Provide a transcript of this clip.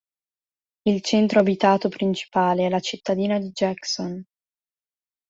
Il centro abitato principale è la cittadina di Jackson.